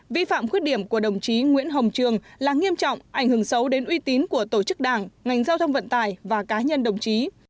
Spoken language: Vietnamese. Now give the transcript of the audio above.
vi phạm khuyết điểm của đồng chí nguyễn hồng trường là nghiêm trọng ảnh hưởng xấu đến uy tín của tổ chức đảng ngành giao thông vận tài và cá nhân đồng chí